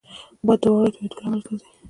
باد د واورې تویېدو لامل ګرځي